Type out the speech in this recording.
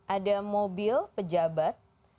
ada mobil pejabat